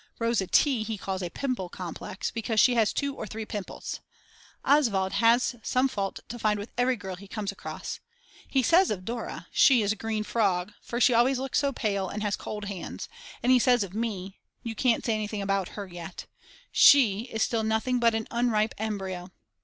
Rosa T. he calls a "Pimple Complex" because she has two or three pimples. Oswald has some fault to find with every girl he comes across. He says of Dora: She is a green frog, for she always looks so pale and has cold hands, and he says of me: You can't say anything about her yet: "She is still nothing but an unripe embryo."